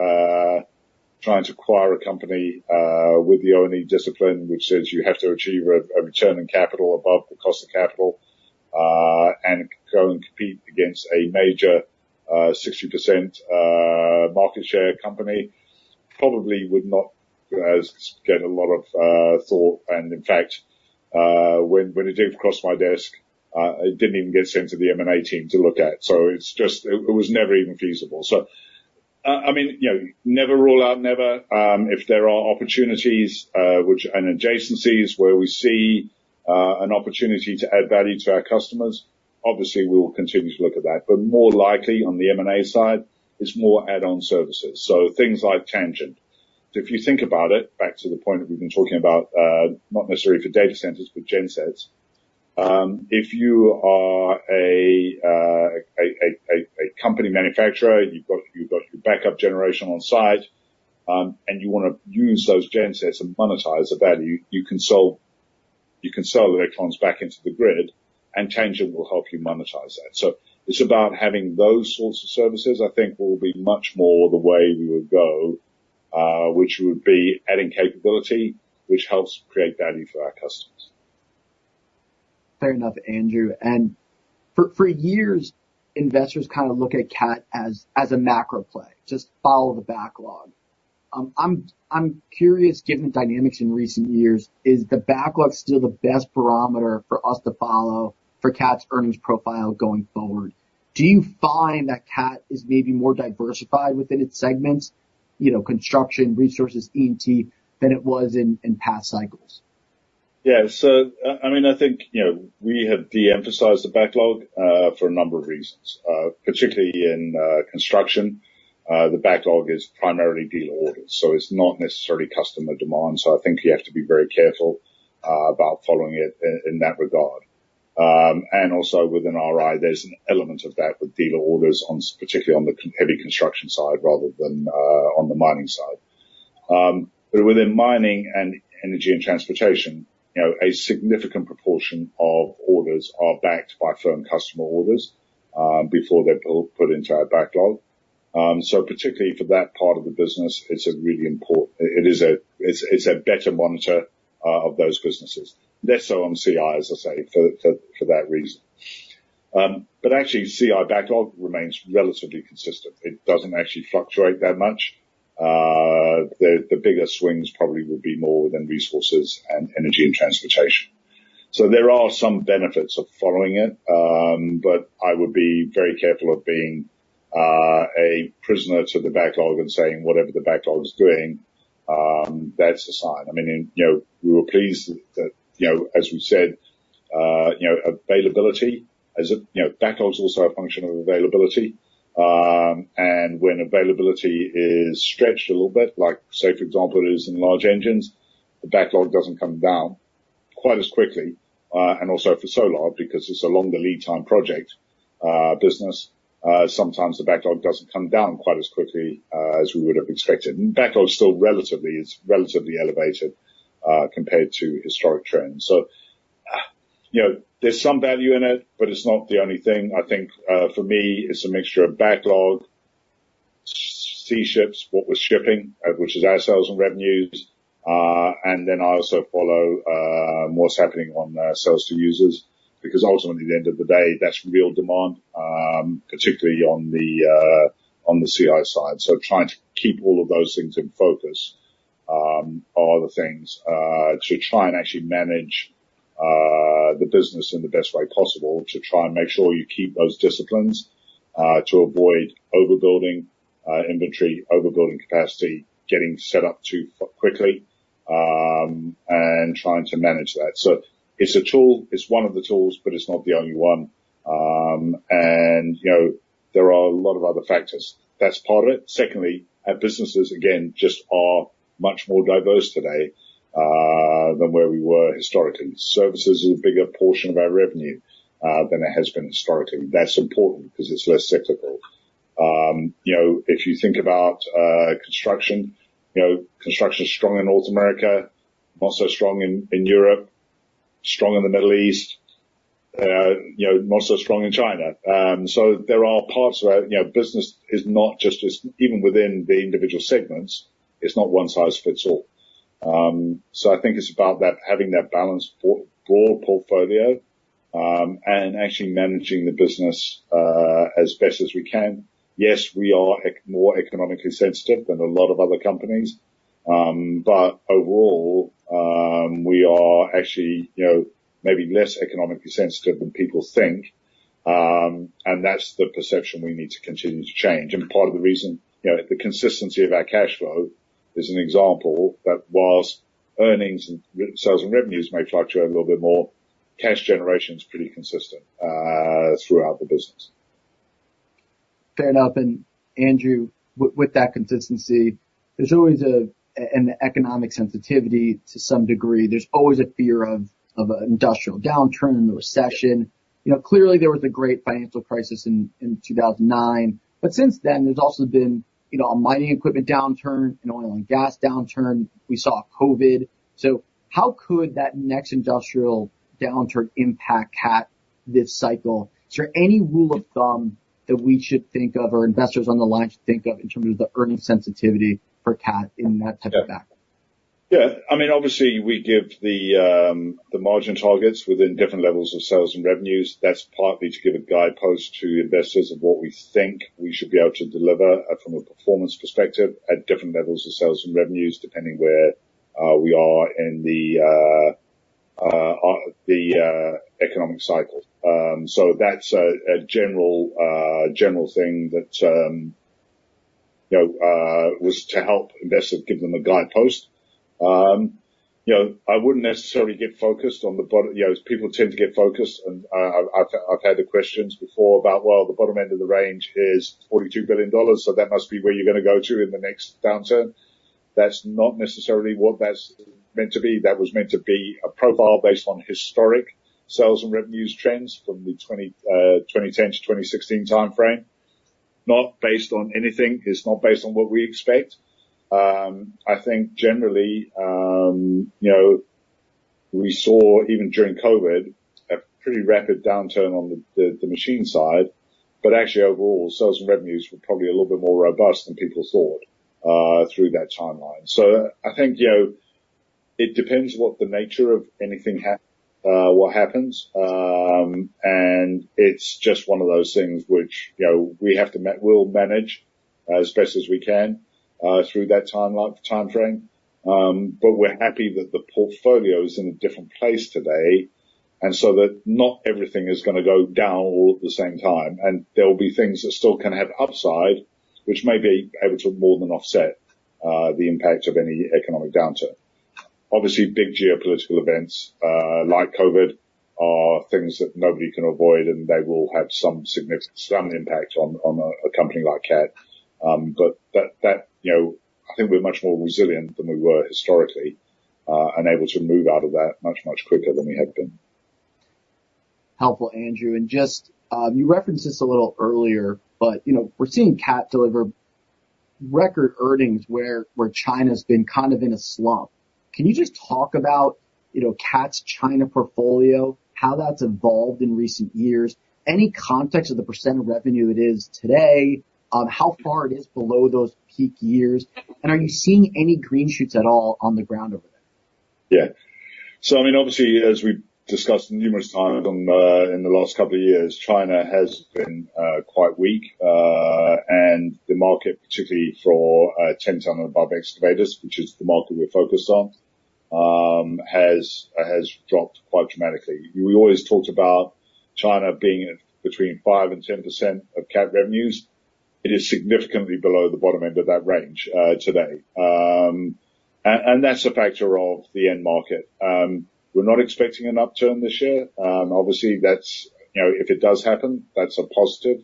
trying to acquire a company with the only discipline which says you have to achieve a return on capital above the cost of capital, and go and compete against a major 60% market share company, probably would not get a lot of thought. And in fact, when it did cross my desk, it didn't even get sent to the M&A team to look at. So it's just... It was never even feasible. So, I mean, you know, never rule out never. If there are opportunities and adjacencies where we see an opportunity to add value to our customers, obviously we will continue to look at that. But more likely on the M&A side is more add-on services, so things like Tangent. If you think about it, back to the point that we've been talking about, not necessarily for data centers, but gen sets. If you are a company manufacturer, you've got, you've got your backup generation on site, and you wanna use those gen sets and monetize the value, you can sell, you can sell the electrons back into the grid, and Tangent will help you monetize that. It's about having those sorts of services, I think will be much more the way we would go, which would be adding capability, which helps create value for our customers. Fair enough, Andrew. For years, investors kind of look at Cat as a macro play, just follow the backlog. I'm curious, given the dynamics in recent years, is the backlog still the best barometer for us to follow for Cat's earnings profile going forward? Do you find that Cat is maybe more diversified within its segments, you know, construction, resources, E&T, than it was in past cycles? Yeah. So, I mean, I think, you know, we have de-emphasized the backlog for a number of reasons, particularly in construction. The backlog is primarily dealer orders, so it's not necessarily customer demand. So I think you have to be very careful about following it in that regard. And also within RI, there's an element of that with dealer orders on, particularly on the heavy construction side rather than on the mining side. But within mining and Energy & Transportation, you know, a significant proportion of orders are backed by firm customer orders before they're put into our backlog. So particularly for that part of the business, it's really important. It is a better monitor of those businesses. Less so on CI, as I say, for that reason. But actually, CI backlog remains relatively consistent. It doesn't actually fluctuate that much. The bigger swings probably will be more within resources and Energy & Transportation. So there are some benefits of following it, but I would be very careful of being a prisoner to the backlog and saying whatever the backlog is doing, that's a sign. I mean, and, you know, we were pleased that, you know, as we said, you know, availability, as a, you know, backlog is also a function of availability, and when availability is stretched a little bit, like, say, for example, it is in large engines, the backlog doesn't come down quite as quickly, and also for so long, because it's a longer lead time project, business, sometimes the backlog doesn't come down quite as quickly, as we would have expected. Backlog is still relatively, it's relatively elevated, compared to historic trends. So, you know, there's some value in it, but it's not the only thing. I think, for me, it's a mixture of backlog, shipments, what was shipped, which is our sales and revenues, and then I also follow, what's happening on, sales to users, because ultimately, at the end of the day, that's real demand, particularly on the CI side. So trying to keep all of those things in focus, are the things, to try and actually manage, the business in the best way possible, to try and make sure you keep those disciplines, to avoid overbuilding, inventory, overbuilding capacity, getting set up too quickly, and trying to manage that. So it's a tool. It's one of the tools, but it's not the only one. And, you know, there are a lot of other factors. That's part of it. Secondly, our businesses, again, just are much more diverse today, than where we were historically. Services is a bigger portion of our revenue, than it has been historically. That's important because it's less cyclical. You know, if you think about, construction, you know, construction is strong in North America, not so strong in Europe, strong in the Middle East, you know, not so strong in China. So there are parts where, you know, business is not just as even within the individual segments, it's not one size fits all. So I think it's about that, having that balanced, broad portfolio, and actually managing the business, as best as we can. Yes, we are more economically sensitive than a lot of other companies, but overall, we are actually, you know, maybe less economically sensitive than people think, and that's the perception we need to continue to change. Part of the reason, you know, the consistency of our cash flow is an example that while earnings and sales and revenues may fluctuate a little bit more, cash generation is pretty consistent throughout the business. Fair enough, and Andrew, with that consistency, there's always an economic sensitivity to some degree. There's always a fear of an industrial downturn, a recession. You know, clearly, there was a great financial crisis in 2009, but since then, there's also been, you know, a mining equipment downturn, an oil and gas downturn. We saw COVID. So how could that next industrial downturn impact Cat this cycle? Is there any rule of thumb that we should think of, or investors on the line should think of, in terms of the earnings sensitivity for Cat in that type of backlog? Yeah. I mean, obviously, we give the, the margin targets within different levels of sales and revenues. That's partly to give a guidepost to investors of what we think we should be able to deliver, from a performance perspective at different levels of sales and revenues, depending where we are in the economic cycle. So that's a general thing that, you know, was to help investors, give them a guidepost. You know, I wouldn't necessarily get focused on the bottom. You know, people tend to get focused, and I've had the questions before about, well, the bottom end of the range is $42 billion, so that must be where you're going to go to in the next downturn. That's not necessarily what that's meant to be. That was meant to be a profile based on historic sales and revenues trends from the 2010 to 2016 timeframe, not based on anything. It's not based on what we expect. I think generally, you know, we saw, even during COVID, a pretty rapid downturn on the machine side, but actually, overall, sales and revenues were probably a little bit more robust than people thought, through that timeline. So I think, you know, it depends what the nature of anything what happens, and it's just one of those things which, you know, we have to we'll manage as best as we can, through that timeline, timeframe. But we're happy that the portfolio is in a different place today, and so that not everything is gonna go down all at the same time, and there will be things that still can have upside, which may be able to more than offset the impact of any economic downturn. Obviously, big geopolitical events like COVID are things that nobody can avoid, and they will have some significant impact on a company like Cat. But that, you know, I think we're much more resilient than we were historically, and able to move out of that much quicker than we had been.... helpful, Andrew. And just, you referenced this a little earlier, but, you know, we're seeing Cat deliver record earnings where China's been kind of in a slump. Can you just talk about, you know, Cat's China portfolio, how that's evolved in recent years? Any context of the percent of revenue it is today, how far it is below those peak years, and are you seeing any green shoots at all on the ground over there? Yeah. So I mean, obviously, as we've discussed numerous times on, in the last couple of years, China has been, quite weak, and the market, particularly for, 10-ton and above excavators, which is the market we're focused on, has dropped quite dramatically. We always talked about China being between 5%-10% of Cat revenues. It is significantly below the bottom end of that range, today. And, that's a factor of the end market. We're not expecting an upturn this year. Obviously, that's, you know, if it does happen, that's a positive,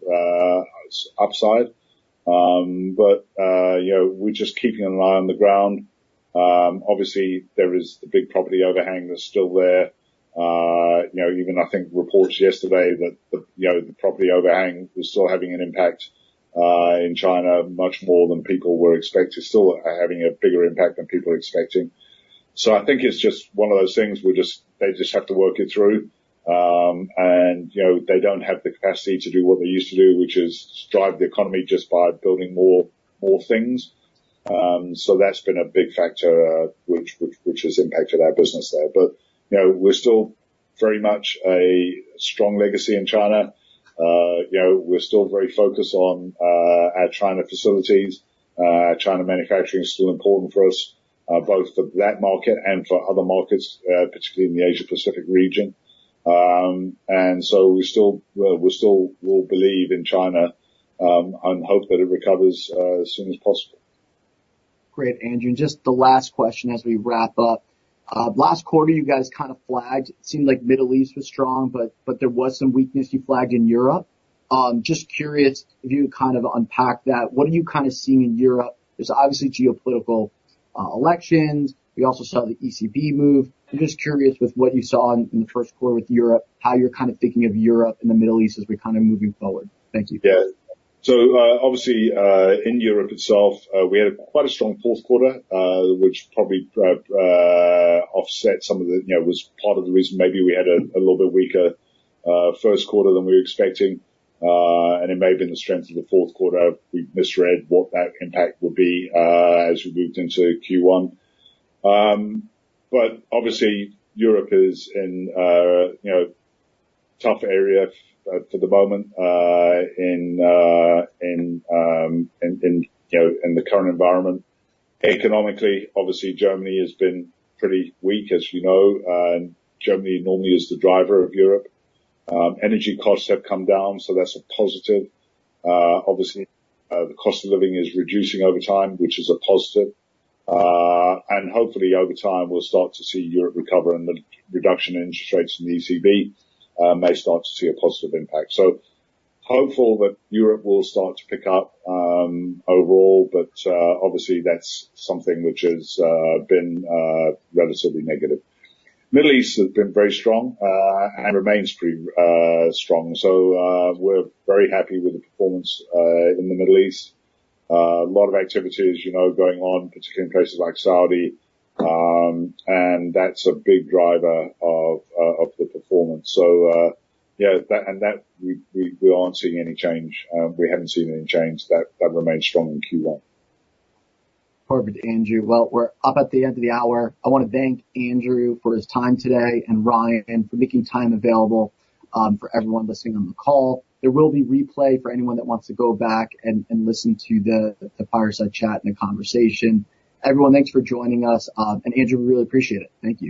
upside. But, you know, we're just keeping an eye on the ground. Obviously, there is the big property overhang that's still there. You know, even I think reports yesterday that the, you know, the property overhang was still having an impact in China, much more than people were expecting. Still having a bigger impact than people are expecting. So I think it's just one of those things where just... they just have to work it through. And, you know, they don't have the capacity to do what they used to do, which is drive the economy just by building more, more things. So that's been a big factor, which has impacted our business there. But, you know, we're still very much a strong legacy in China. You know, we're still very focused on our China facilities. China manufacturing is still important for us, both for that market and for other markets, particularly in the Asia Pacific region. And so we still, we still will believe in China and hope that it recovers as soon as possible. Great, Andrew. Just the last question as we wrap up. Last quarter, you guys kind of flagged, seemed like Middle East was strong, but there was some weakness you flagged in Europe. Just curious if you would kind of unpack that. What are you kind of seeing in Europe? There's obviously geopolitical elections. We also saw the ECB move. I'm just curious with what you saw in the first quarter with Europe, how you're kind of thinking of Europe and the Middle East as we're kind of moving forward. Thank you. Yeah. So, obviously, in Europe itself, we had quite a strong fourth quarter, which probably offset some of the, you know, was part of the reason maybe we had a little bit weaker first quarter than we were expecting. And it may have been the strength of the fourth quarter, we misread what that impact would be, as we moved into Q1. But obviously, Europe is in a, you know, tough area for the moment, in the current environment. Economically, obviously, Germany has been pretty weak, as you know, and Germany normally is the driver of Europe. Energy costs have come down, so that's a positive. Obviously, the cost of living is reducing over time, which is a positive. And hopefully, over time, we'll start to see Europe recover, and the reduction in interest rates from the ECB may start to see a positive impact. So hopeful that Europe will start to pick up overall, but obviously, that's something which has been relatively negative. Middle East has been very strong and remains pretty strong. So, we're very happy with the performance in the Middle East. A lot of activities, you know, going on, particularly in places like Saudi, and that's a big driver of the performance. So, yeah, we aren't seeing any change. We haven't seen any change. That remains strong in Q1. Perfect, Andrew. Well, we're up at the end of the hour. I wanna thank Andrew for his time today, and Ryan, and for making time available for everyone listening on the call. There will be replay for anyone that wants to go back and listen to the fireside chat and the conversation. Everyone, thanks for joining us. And Andrew, we really appreciate it. Thank you.